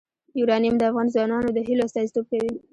یورانیم د افغان ځوانانو د هیلو استازیتوب کوي.